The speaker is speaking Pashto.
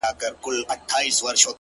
زما مرور فکر به څه لفظونه وشرنگوي،